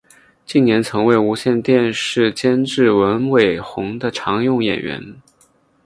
近年曾为无线电视监制文伟鸿的常用演员。